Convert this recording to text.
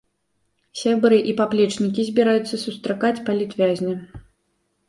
Сябры і паплечнікі збіраюцца сустракаць палітвязня.